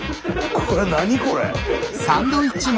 これ何これ？